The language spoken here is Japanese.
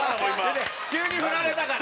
急に振られたから。